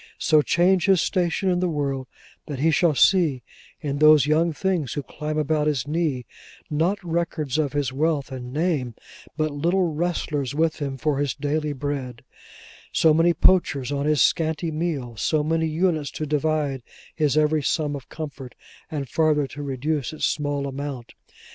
So change his station in the world, that he shall see in those young things who climb about his knee: not records of his wealth and name: but little wrestlers with him for his daily bread; so many poachers on his scanty meal; so many units to divide his every sum of comfort, and farther to reduce its small amount.